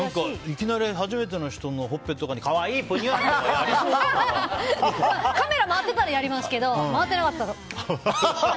いきなり初めての人のほっぺとかにカメラ回ってたらやるけど回ってなかったら。